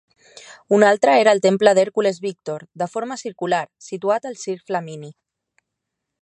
Un altre era el Temple d'Hèrcules Víctor, de forma circular, situat al Circ Flamini.